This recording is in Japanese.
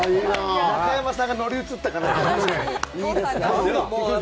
中山さんが乗り移ったかのような。